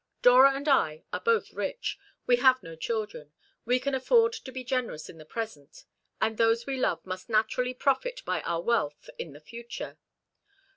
Dora and I are both rich. We have no children. We can afford to be generous in the present; and those we love must naturally profit by our wealth in the future.